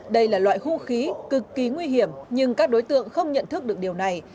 đây là loại hung khí cực kỳ nguy hiểm nhưng các đối tượng không nhận thức được điều này